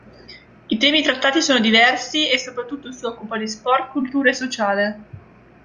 I temi trattati sono diversi e soprattutto si occupa di sport, cultura e sociale.